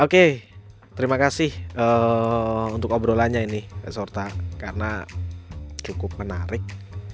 oke terima kasih untuk obrolannya ini beserta karena cukup menarik